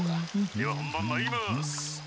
「では本番まいります。